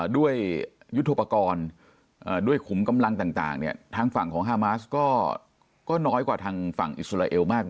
ด้วยยุทธโปรกรณ์ด้วยขุมกำลังต่างทางฝั่งของฮามาสก็น้อยกว่าทางฝั่งอิสราเอลมาก